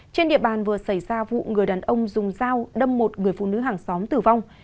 trên địa bàn vừa xảy ra vụ người đàn ông dùng dao đâm một người phụ nữ hàng xóm tử vong